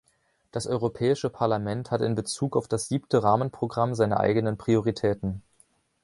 Das Europäische Parlament hat in Bezug auf das Siebte Rahmenprogramm seine eigenen Prioritäten.